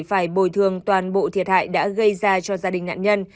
phải bồi thường toàn bộ thiệt hại đã gây ra cho gia đình nạn nhân